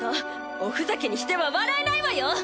おふざけにしては笑えないわよ！